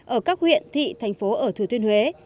ở các huyện thị thành phố ở thừa thiên huế